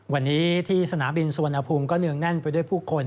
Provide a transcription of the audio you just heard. วันนี้ที่สนามบินสุวรรณภูมิก็เนืองแน่นไปด้วยผู้คน